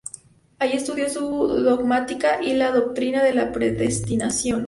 Allí estudió su dogmática y la doctrina de la predestinación.